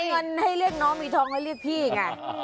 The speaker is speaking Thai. เงินให้เรียกน้องมีทองให้เรียกพี่ไง